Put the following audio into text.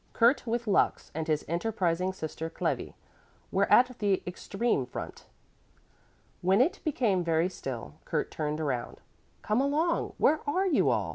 Kurt with Lux and his enterprising sister Clevi were at the extreme front. When it became very still, Kurt turned around. "Come along! Where are you all?"